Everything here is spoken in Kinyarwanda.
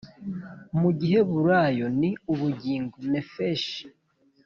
Mu giheburayo ni ubugingo nephesh